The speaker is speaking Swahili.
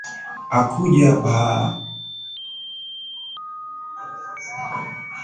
Hakujua mambo yalikwenda vipi hadi kujipata kwake mtaroni